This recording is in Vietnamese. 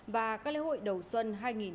và các lễ hội đầu xuân hai nghìn hai mươi bốn